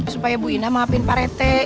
supaya bu indah maafin pak rt